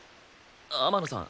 天野さん